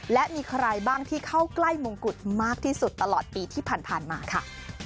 และมีใครบ้างที่เข้าใกล้มงกุฎมากที่สุดตลอดปีที่ผ่านมาค่ะ